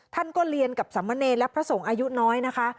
ท่านก็เรียนกับสมเนรและพระสงฆ์อายุน้อยนะคะ